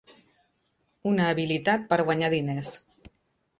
Un habilitat per guanyar diners.